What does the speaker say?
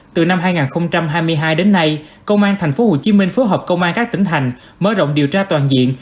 từ năm hai nghìn hai mươi hai đến nay công an tp hcm phối hợp công an các tỉnh thành mở rộng điều tra toàn diện